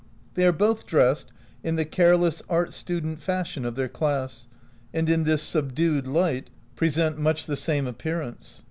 They are both dressed in the care less art student fashion of their class, and in this subdued light present much the same appearance.